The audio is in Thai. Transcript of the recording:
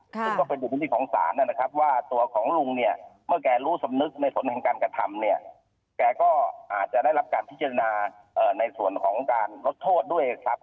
ซึ่งก็เป็นอยู่พื้นที่ของศาลนะครับว่าตัวของลุงเนี่ยเมื่อแกรู้สำนึกในส่วนของการกระทำเนี่ยแกก็อาจจะได้รับการพิจารณาในส่วนของการลดโทษด้วยครับ